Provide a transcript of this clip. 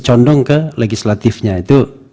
condong ke legislatifnya itu